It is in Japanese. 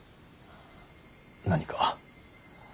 何か。